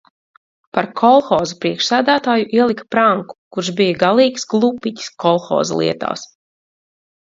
Par kolhoza priekšsēdētāju ielika Pranku kurš bija galīgs glupiķis kolhoza lietās.